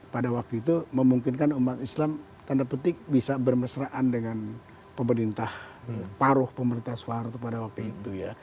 pada waktu itu memungkinkan umat islam tanda petik bisa bermesraan dengan pemerintah paruh pemerintah soeharto pada waktu itu ya